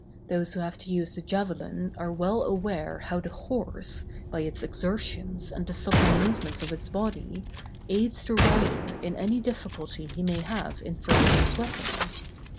Those who have to use the javelin are well aware how the horse, by its exertions and the supple movements of its body, aids the rider in any difficulty he may have in throwing his weapon.